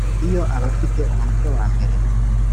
iyo abafite umutwe wambere